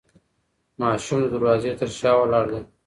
ماشوم د دروازې تر شا ولاړ دی.